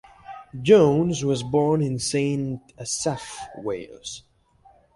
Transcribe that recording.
Jones was born in Saint Asaph, Wales.